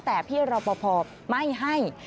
แต่พี่รอปภไม่ให้